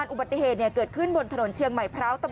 โรดเจ้าเจ้าเจ้าเจ้าเจ้าเจ้าเจ้าเจ้า